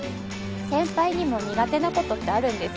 先輩にも苦手な事ってあるんですね。